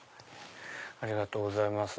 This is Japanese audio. ありがとうございます。